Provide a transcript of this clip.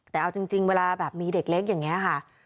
แต่เอาจริงเวลาแบบมีเด็กเล็กอย่างนี้ค่ะ